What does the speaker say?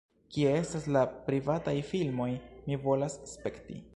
"Kie estas la privataj filmoj? Mi volas spekti"